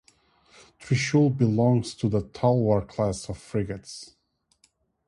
"Trishul" belongs to the "Talwar"-class of frigates.